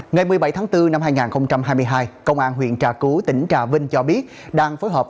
ngày một mươi bảy tháng bốn năm hai nghìn hai mươi hai công an huyện trà cứu tỉnh trà vinh cho biết